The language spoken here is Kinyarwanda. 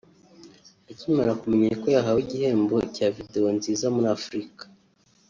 Akimara kumenya ko yahawe igihembo cya Video nziza muri Afurika